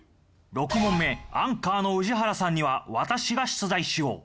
６問目アンカーの宇治原さんには私が出題しよう。